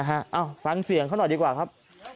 เอาฟังเสียงเขาหน่อยดีกว่าครับ